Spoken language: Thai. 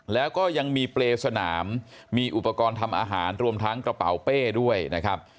แล้วก็ยังมีเปรย์สนามมีอุปกรณ์ทำอาหารรวมทั้งกระเป๋าเป้ด้วยนะครับ